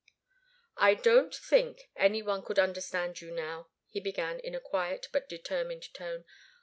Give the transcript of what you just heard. "I don't think any one could understand you now," he began, in a quiet, but determined tone.